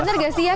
bener gak sih ya